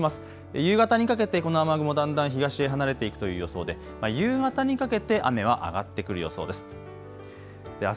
夕方にかけてこの雨雲だんだん東へ離れていくという予想で夕方にかけて雨は上がってくる予想です。